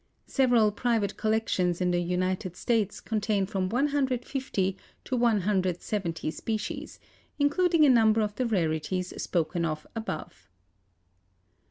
Several private collections in the United States contain from one hundred fifty to one hundred seventy species, including a number of the rarities spoken of above.